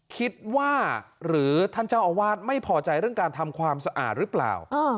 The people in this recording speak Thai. คิดว่าหรือท่านเจ้าอาวาสไม่พอใจเรื่องการทำความสะอาดหรือเปล่า